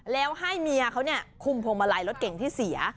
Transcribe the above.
แล้วให้เมียเขาคุมพวงมาลัยรถเก่งที่เสีย